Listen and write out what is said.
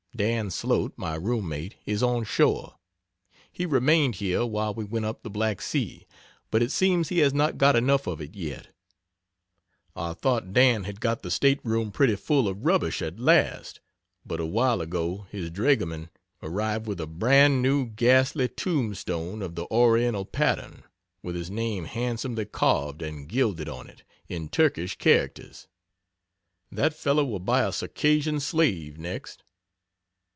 Dan Slote, my room mate, is on shore. He remained here while we went up the Black Sea, but it seems he has not got enough of it yet. I thought Dan had got the state room pretty full of rubbish at last, but a while ago his dragoman arrived with a bran new, ghastly tomb stone of the Oriental pattern, with his name handsomely carved and gilded on it, in Turkish characters. That fellow will buy a Circassian slave, next.